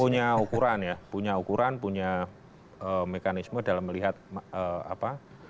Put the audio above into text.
punya ukuran ya punya ukuran punya mekanisme dalam melihat apa